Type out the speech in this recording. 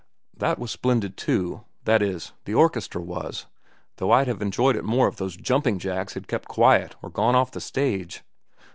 "That was splendid too; that is, the orchestra was, though I'd have enjoyed it more if those jumping jacks had kept quiet or gone off the stage."